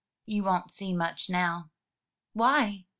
"You won't see much now." "Why?"